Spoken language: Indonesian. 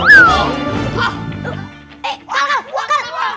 eh kakal kakal